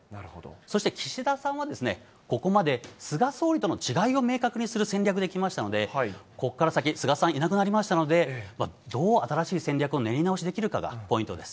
そして岸田さんは、ここまで菅総理との違いを明確にする戦略できましたので、ここから先、菅さんいなくなりましたので、どう新しい戦略を練り直しできるかがポイントです。